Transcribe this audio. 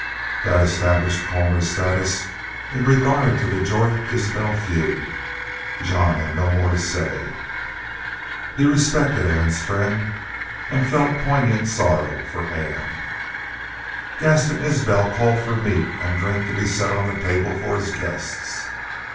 That established Colmor's status in regard to the Jorth Isbel feud. Jean had no more to say. He respected Ann's friend and felt poignant sorrow for Ann. Gaston Isbel called for meat and drink to be set on the table for his guests.